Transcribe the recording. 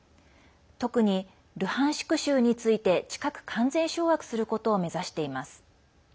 特にルハンシク州について近く完全掌握することを目指しています。